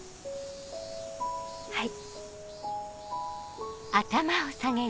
はい。